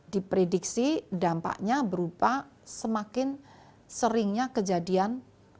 di prediksi dampaknya berupa semakin seringnya kejadian